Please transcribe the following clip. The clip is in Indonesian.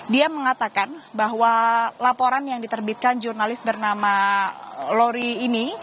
dia mengatakan bahwa laporan yang diterbitkan jurnalis bernama lory ini